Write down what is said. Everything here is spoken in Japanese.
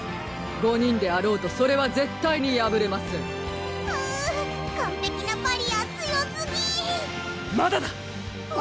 ５人であろうとそれは絶対にやぶれませんはう完璧なバリアー強すぎまだだ！